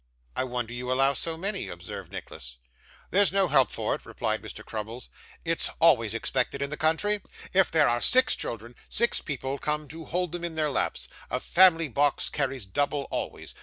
'I wonder you allow so many,' observed Nicholas. 'There's no help for it,' replied Mr. Crummles; 'it's always expected in the country. If there are six children, six people come to hold them in their laps. A family box carries double always.